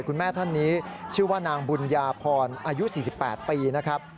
คุณแม่ท่านนี้ชื่อว่านางบุญญาพรอายุ๔๘ปีนะครับ